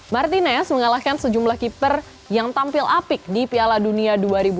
martinez mengalahkan sejumlah keeper yang tampil apik di piala dunia dua ribu dua puluh